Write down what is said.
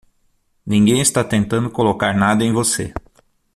Ninguém está tentando colocar nada em você.